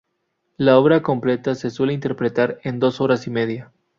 La obra completa se suele interpretar en dos horas y media.